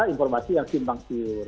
informasi yang simpang sir